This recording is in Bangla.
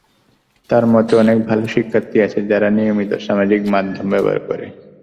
তাঁর মতে, অনেক ভালো শিক্ষার্থী আছে যারা নিয়মিত সামাজিক মাধ্যম ব্যবহার করে।